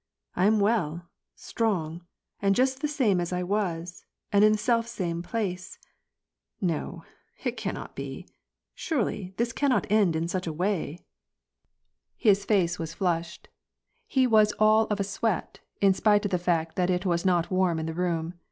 I am well, strong, and just the same as I was, and in the self same place ! No, it cannot be I Surely, this cannot end in such a way I " WAR AHt> pnAce. 67 His face was flushed, lie was all of a sweat, in spite of the fact that it was not waim in the room.